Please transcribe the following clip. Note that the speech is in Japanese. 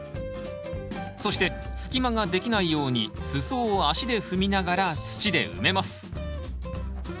そして隙間ができないように裾を足で踏みながら土で埋めます。